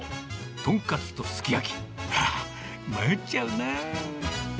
とんかつとすき焼き、いやぁ、迷っちゃうな。